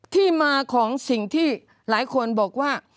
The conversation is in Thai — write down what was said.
ที่มาของสิ่งที่หลายคนบอกว่า